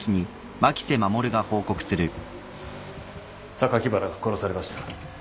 榊原が殺されました。